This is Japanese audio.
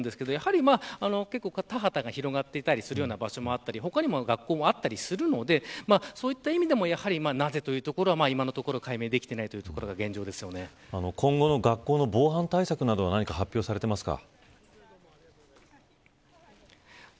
確かに５分ぐらいということではありますが田畑が広がっていたりするような場所もあったり他にも学校があったりするのでそういった意味でもやはりなぜというところは今のところ解明できていない今後の学校の防犯対策などは発表されていますか。